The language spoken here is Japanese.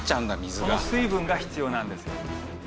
「その水分が必要なんです」